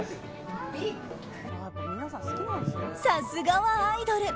さすがはアイドル！